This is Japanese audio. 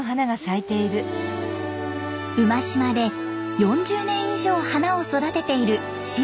馬島で４０年以上花を育てている塩見さん。